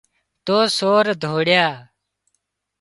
تو سور ڌوڙيا